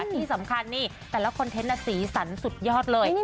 ที่สำคัญนี่แต่ละคอนเทนต์สีสันสุดยอดเลย